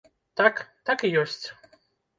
Так, так і ёсць.